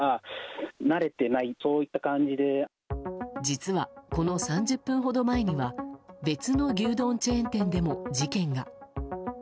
実は、この３０分ほど前には別の牛丼チェーン店でも事件が。